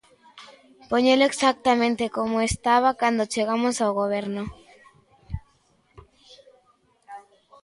Poñelo exactamente como estaba cando chegamos ao Goberno.